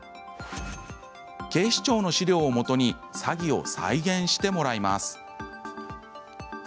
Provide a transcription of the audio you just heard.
警視庁の資料をもとに詐欺を再現してもらいます。